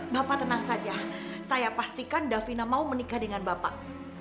bapak tenang saja saya pastikan davina mau menikah dengan bapak